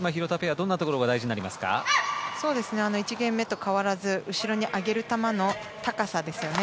どんなところが１ゲーム目と変わらず後ろに上げる球の高さですよね。